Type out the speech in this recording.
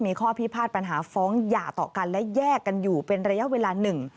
มีข้อพิพาทปัญหาฟ้องหย่าต่อกันและแยกกันอยู่เป็นระยะเวลาหนึ่ง